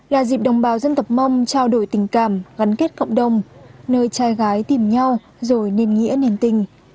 là dịp đồng bào dân tộc mông trao đổi tình cảm gắn kết cộng đồng nơi trai gái tìm nhau rồi nền nghĩa nền tình